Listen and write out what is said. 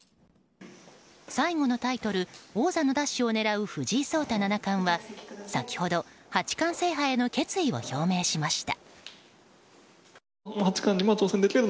最後のタイトル、王座の奪取を狙う藤井聡太七冠は先ほど八冠制覇への決意を表明しました。